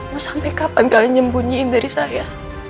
mau sampai kapan kalian nyembunyiin dari saya